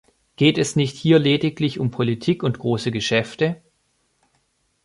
Geht es nicht hier lediglich um Politik und große Geschäfte?